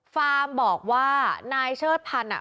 ฟาร์มบอกว่านายเชิดพันธ์อ่ะ